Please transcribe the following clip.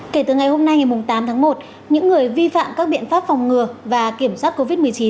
kể từ ngày hôm nay ngày tám tháng một những người vi phạm các biện pháp phòng ngừa và kiểm soát covid một mươi chín